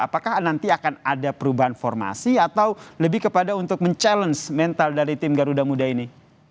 apakah nanti akan ada perubahan formasi atau lebih kepada untuk mencabar mental dari tim garuda muda ini